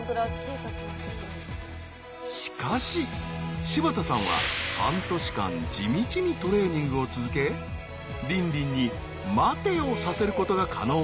しかし柴田さんは半年間地道にトレーニングを続けリンリンに待てをさせることが可能に。